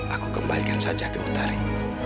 aku kembalikan saja ke utari